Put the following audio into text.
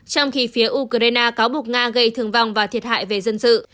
trong khi phía ukraine cáo buộc nga gây thương vong và thiệt hại về dân sự